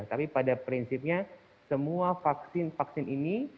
tapi pada prinsipnya semua vaksin vaksin ini